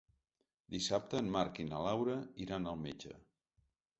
Dissabte en Marc i na Laura iran al metge.